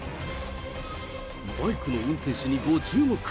バイクの運転手にご注目。